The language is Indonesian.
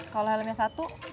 kalau helmnya satu